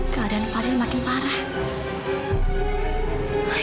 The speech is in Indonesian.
keadaan fadil makin parah